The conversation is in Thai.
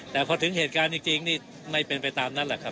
แต่พอถึงเหตุการณ์จริงนี่ไม่เป็นไปตามนั้นแหละครับ